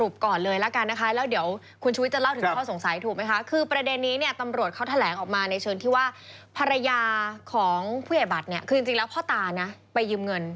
เพราะว่าเขาแถลงออกมาในเชิญที่ว่าภรรยาของผู้ใหญ่บัตรเนี่ยคือจริงแล้วพ่อตานะไปยืมเงิน